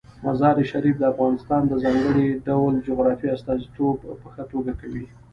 مزارشریف د افغانستان د ځانګړي ډول جغرافیې استازیتوب په ښه توګه کوي.